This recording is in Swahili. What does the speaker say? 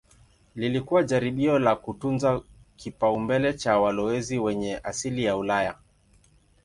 Lilikuwa jaribio la kutunza kipaumbele cha walowezi wenye asili ya Ulaya.